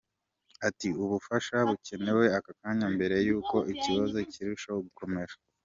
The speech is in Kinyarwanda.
Ati” Ubufasha bukenewe aka kanya, mbere y’uko ikibazo kirushaho gukomera.